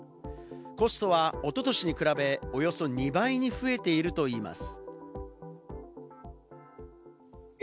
コストはおととしに比べ、およそ２倍に増えているといいます。